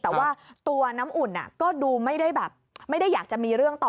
แต่ว่าตัวน้ำอุ่นก็ดูไม่ได้อยากจะมีเรื่องต่อ